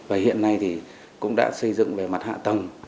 và hiện nay thì cũng đã xây dựng về mặt hạ tầng